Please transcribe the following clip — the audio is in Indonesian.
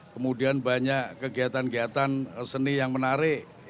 kemudian banyak kegiatan kegiatan seni yang menarik